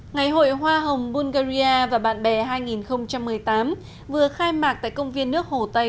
ngày hội hoa hồng bungarya và bạn bè hai nghìn một mươi tám vừa khai mạc tại công viên nước hồ tây